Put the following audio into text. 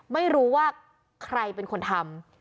ไม่รู้ว่าใครเป็นคนทำ